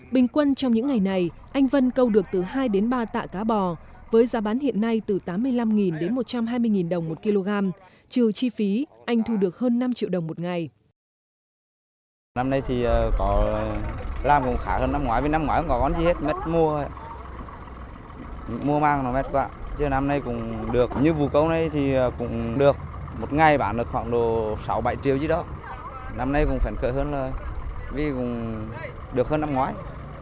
bình quân trong những ngày này anh vân câu được từ hai đến ba tạ cá bò với giá bán hiện nay từ tám mươi năm đến một trăm hai mươi đồng một kg trừ chi phí anh thu được hơn năm triệu đồng một ngày